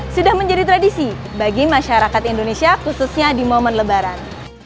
sudah menjadi tradisi bagi masyarakat indonesia khususnya di momen lebaran